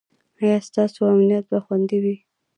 ایا ستاسو امنیت به خوندي وي؟